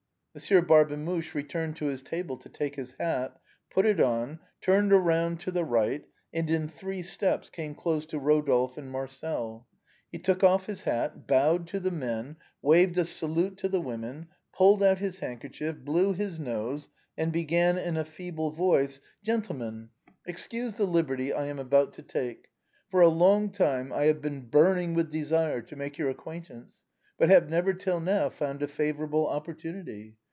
Monsieur Barbemuche returned to his table to take his hat: put it on, turned round to the right, and in three steps came close to Eodolphe and Marcel ; took off his hat, bowed to the men, waved a salute to the women, pulled out his handkerchief, blew his nose, and began in a feeble voice :" Gentlemen, excuse the liberty I am about to take. For a long time, I have been burning with desire to make your 132 THE BOHEMIANS OF THE LATIN QUARTER. acquaintance, but have never, till now, found a favorable opportunity.